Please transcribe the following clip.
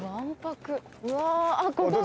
うわ。